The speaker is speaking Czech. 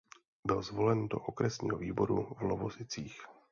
Byl zvolen do okresního výboru v Lovosicích.